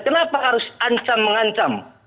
kenapa harus ancam mengancam